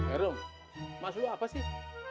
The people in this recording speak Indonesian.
eh rum maksud lu apa sih